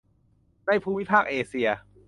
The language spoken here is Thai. ในภูมิภาคเอเชีย